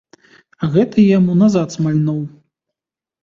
А гэты яму назад смальнуў.